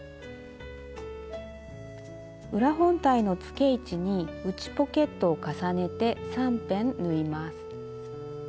裏本体のつけ位置に内ポケットを重ねて３辺縫います。